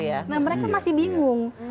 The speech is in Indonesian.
nah mereka masih bingung